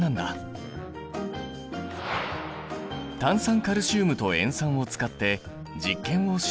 炭酸カルシウムと塩酸を使って実験をしてみよう。